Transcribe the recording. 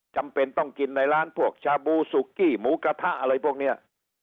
จำเป็นต้องกินในร้านพวกชาบูสุกี้หมูกระทะอะไรพวกนี้